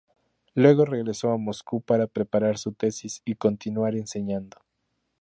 Luego regresó a Moscú para preparar su tesis y continuar enseñando.